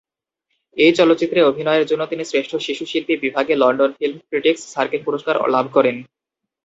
এই চলচ্চিত্রে অভিনয়ের জন্য তিনি শ্রেষ্ঠ শিশু শিল্পী বিভাগে লন্ডন ফিল্ম ক্রিটিকস সার্কেল পুরস্কার লাভ করেন।